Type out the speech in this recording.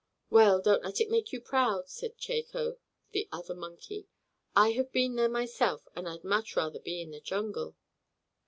"Well, don't let it make you proud," said Chako, the other monkey. "I have been there myself, and I'd much rather be in the jungle."